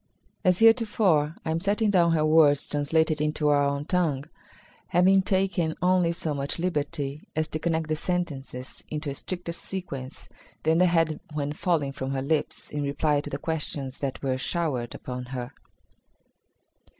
As heretofore, I am setting down her words translated into our own tongue, having taken only so much liberty as to connect the sentences into a stricter sequence than they had when falling from her lips in reply to the questions that were showered upon her.